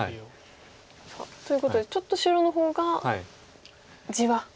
さあということでちょっと白の方が地は多いと。